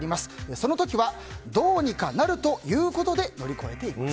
その時はどうにかなると言うことで乗り越えています。